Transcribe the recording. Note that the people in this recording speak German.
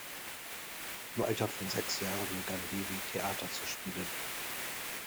Im Alter von sechs Jahren begann Levi Theater zu spielen.